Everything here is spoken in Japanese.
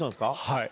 はい。